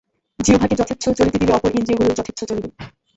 জিহ্বাকে যথেচ্ছ চলিতে দিলে অপর ইন্দ্রিয়গুলিও যথেচ্ছ চলিবে।